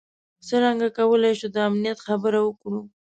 څرنګه کولای شو د امنیت خبره وکړو.